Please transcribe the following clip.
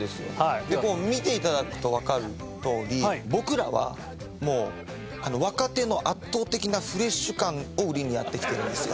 こう見ていただくとわかるとおり僕らはもう若手の圧倒的なフレッシュ感を売りにやってきてるんですよ。